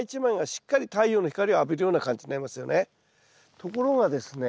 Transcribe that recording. ところがですね